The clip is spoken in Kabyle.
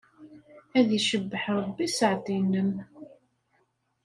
Ad icebbeḥ Ṛebbi sseɛd-nnem.